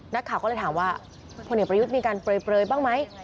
นักข่าวก็เลยถามว่าพลเอกประยุทธ์มีการเปลยบ้างไหม